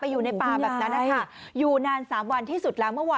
ไปอยู่ในป่าแบบนั้นนะค่ะอยู่นาน๓วันที่สุดแล้ว